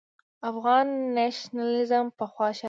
افغان نېشنلېزم پخوا شرم و.